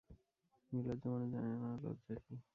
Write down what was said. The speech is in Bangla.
নির্লজ্জ মানুষ জানে না, লজ্জা কী।